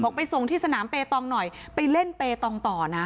ไปส่งที่สนามเปตองหน่อยไปเล่นเปตองต่อนะ